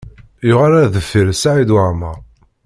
Yuɣal ar deffir Saɛid Waɛmaṛ.